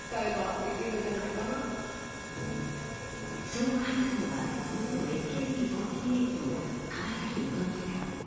そう話すのは、元ＡＫＢ４８の川崎希さん。